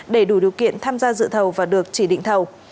để đủ điều kiện tham gia dự thầu và được chỉ định thầu